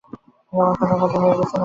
তোমার লেখাটি হয়ে গেছে নাকি?